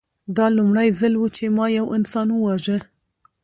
دا لومړی ځل و چې ما یو انسان وواژه